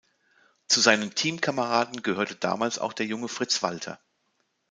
Zu seinen Teamkameraden gehörte damals auch der junge Fritz Walter.